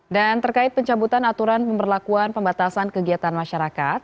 dan terkait pencabutan aturan pemberlakuan pembatasan kegiatan masyarakat